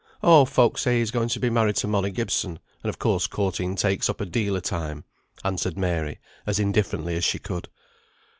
"Oh, folk say he's going to be married to Molly Gibson, and of course courting takes up a deal o' time," answered Mary, as indifferently as she could.